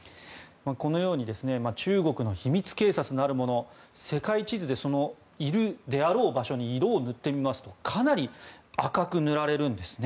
このように中国の秘密警察なるものが世界地図で、いるであろう場所に色を塗ってみますとかなり赤く塗られるんですね。